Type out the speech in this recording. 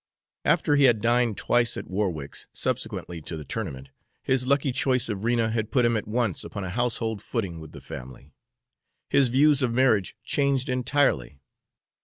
After he had dined twice at Warwick's, subsequently to the tournament, his lucky choice of Rena had put him at once upon a household footing with the family, his views of marriage changed entirely.